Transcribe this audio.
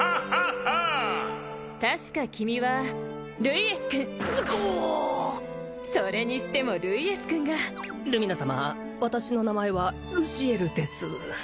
確か君はルイエス君ズコーッそれにしてもルイエス君がルミナ様私の名前はルシエルです